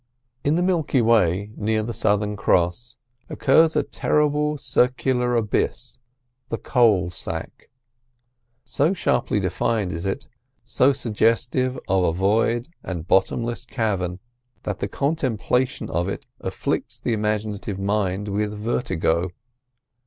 In the Milky Way, near the Southern Cross, occurs a terrible circular abyss, the Coal Sack. So sharply defined is it, so suggestive of a void and bottomless cavern, that the contemplation of it afflicts the imaginative mind with vertigo.